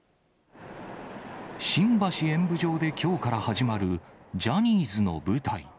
新橋演舞場できょうから始まるジャニーズの舞台。